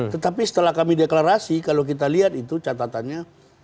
tetapi setelah kami deklarasi kalau kita lihat itu catatannya